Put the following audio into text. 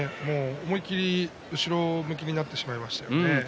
思い切り、後ろ向きになってしまいましたよね。